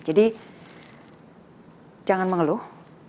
jadi jangan mengeluh